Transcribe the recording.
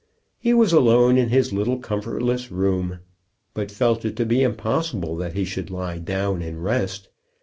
He was alone in his little comfortless room, but felt it to be impossible that he should lie down and rest.